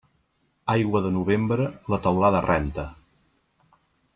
Aigua de novembre, la teulada renta.